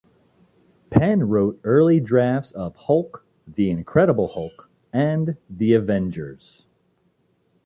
Penn wrote early drafts of "Hulk", "The Incredible Hulk", and "The Avengers".